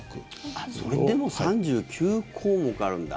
あっ、それでも３９項目あるんだ。